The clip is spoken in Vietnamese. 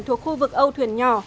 thuộc khu vực âu thuyền nhỏ